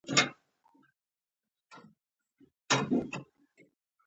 غلی، د علم خزانه لري.